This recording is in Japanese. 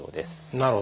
なるほど。